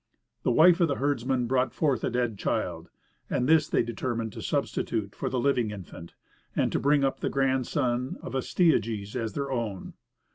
The wife of the herdsman brought forth a dead child, and this they determined to substitute for the living infant, and to bring up the grandson of Astyages as their own.